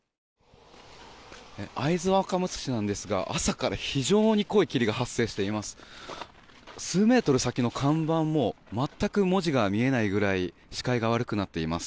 会津若松市なんですが朝から非常に濃い霧が発生しています。